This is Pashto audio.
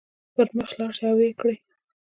پر مخ لاړ شئ او ويې کړئ.